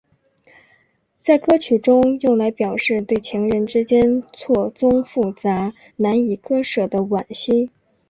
在歌曲中用来表示对情人之间错综复杂难以割舍的惋惜。